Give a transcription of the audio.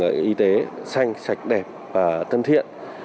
một môi trường y tế xanh sạch đẹp và thân thiện